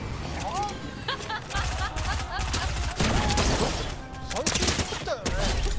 だって最近作ったよね？